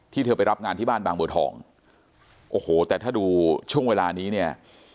เธอไปรับงานที่บ้านบางบัวทองโอ้โหแต่ถ้าดูช่วงเวลานี้เนี่ย